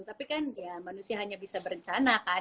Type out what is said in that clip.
tapi kan ya manusia hanya bisa berencana kan